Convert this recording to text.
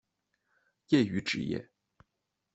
业余职业